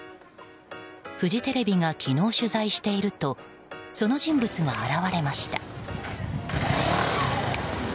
フジテレビが昨日、取材しているとその人物が現れました。